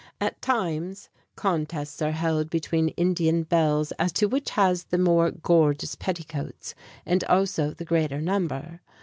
At times, contests are held between Indian belles as to which has the more gorgeous petticoats, and also the greater number.